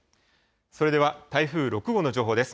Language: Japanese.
それでは台風６号の情報です。